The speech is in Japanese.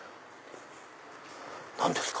何ですか？